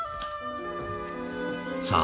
さあ